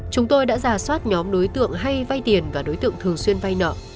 chúng tôi đã giả soát nhóm đối tượng hay vay tiền và đối tượng thường xuyên vay nợ